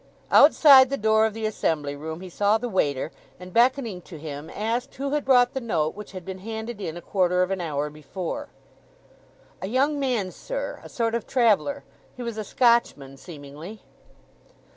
Outside the door of the assembly room he saw the waiter, and beckoning to him asked who had brought the note which had been handed in a quarter of an hour before. "A young man, sir—a sort of traveller. He was a Scotchman seemingly."